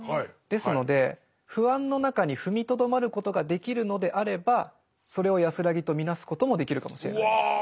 ですので不安の中に踏みとどまることができるのであればそれを安らぎと見なすこともできるかもしれないです。